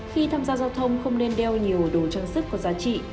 khi tham gia giao thông không nên đeo nhiều đồ trang sức có giá trị